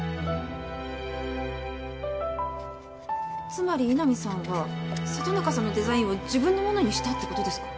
つまり井波さんは里中さんのデザインを自分のものにしたって事ですか？